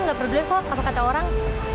gak perlu dilihat kok apa kata orang